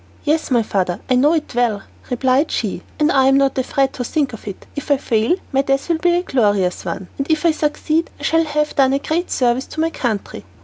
"Yes, my father, I know it well," replied she, "and I am not afraid to think of it. If I fail, my death will be a glorious one, and if I succeed I shall have done a great service to my country."